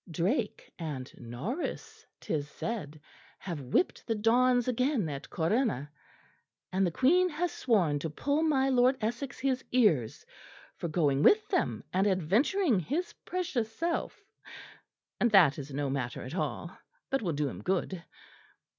Drake and Norris, 'tis said, have whipped the dons again at Corunna; and the Queen has sworn to pull my lord Essex his ears for going with them and adventuring his precious self; and that is no matter at all, but will do him good.